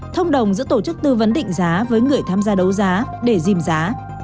thông đồng giữa tổ chức tư vấn định giá với người tham gia đấu giá để dìm giá